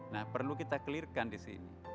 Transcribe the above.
nah perlu kita clear kan disini